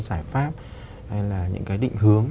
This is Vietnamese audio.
giải pháp hay là những cái định hướng